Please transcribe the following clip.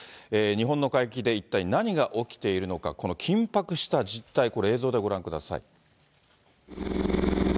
日本の海域で一体何が起きているのか、この緊迫した実態、これ、映像でご覧ください。